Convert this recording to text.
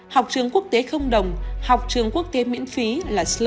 học trường quốc tế không đồng học trường quốc tế miễn phí là slogan quả